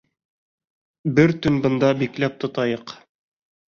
Бер төн бында бикләп тотайыҡ.